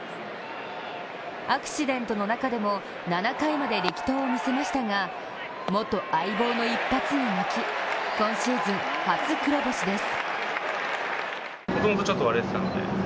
アクシデントの中でも７回まで力投を見せましたが元相棒の一発に泣き、今シーズン、初黒星です。